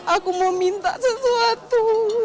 aku mau minta sesuatu